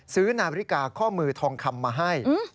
ซื้อนาฬิกาข้อมือทองคำมาให้